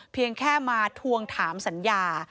เพียงแค่มาทวงถามสัญญา